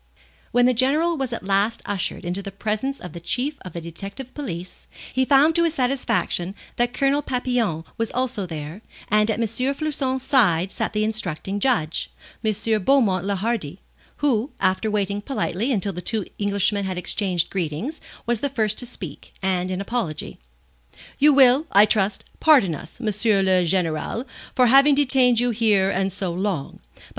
When the General was at last ushered into the presence of the Chief of the Detective Police, he found to his satisfaction that Colonel Papillon was also there, and at M. Floçon's side sat the instructing judge, M. Beaumont le Hardi, who, after waiting politely until the two Englishmen had exchanged greetings, was the first to speak, and in apology. "You will, I trust, pardon us, M. le Général, for having detained you here and so long.